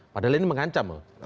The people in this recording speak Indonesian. padahal ini mengancam